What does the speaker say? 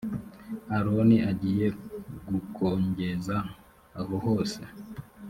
aroni agiye gukongeza ahohose.